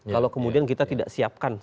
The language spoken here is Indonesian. kalau kemudian kita tidak siapkan